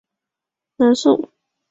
南宋亦设此科。